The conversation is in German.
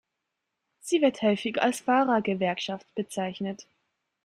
Sie wird häufig als "Fahrer-Gewerkschaft" bezeichnet.